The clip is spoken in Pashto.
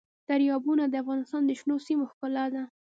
دریابونه د افغانستان د شنو سیمو ښکلا ده.